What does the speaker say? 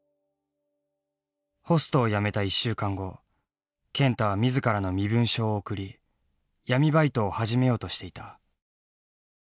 ホストを辞めた１週間後健太は自らの身分証を送り闇バイトを始めようとしていた。